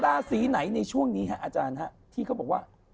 ราศีไหนในช่วงนี้ฮะอาจารย์ที่เขาบอกว่า